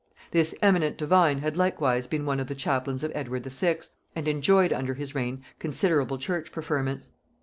This eminent divine had likewise been one of the chaplains of Edward VI., and enjoyed under his reign considerable church preferments.